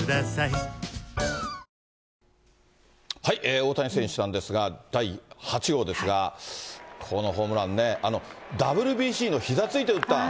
大谷選手なんですが、第８号ですが、このホームランね、ＷＢＣの、ひざついて打った。